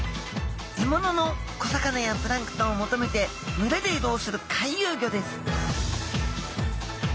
獲物の小魚やプランクトンを求めて群れで移動する回遊魚です